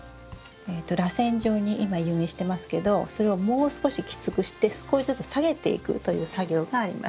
らせん状に今誘引してますけどそれをもう少しきつくして少しずつ下げていくという作業があります。